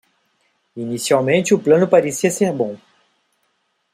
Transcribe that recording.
Inicialmente o plano parecia ser bom.